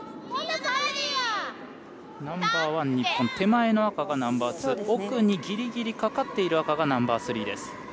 ナンバーワン日本手前の赤がナンバーツー奥にぎりぎりかかっている赤がナンバースリーです。